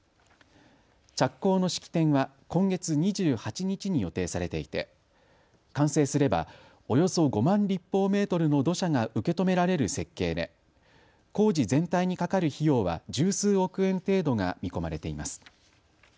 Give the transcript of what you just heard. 着工の式典は今月２８日に予定されていて完成すればおよそ５万立方メートルの土砂が受け止められる設計で工事全体にかかる費用は十数億円程度が見込まれています。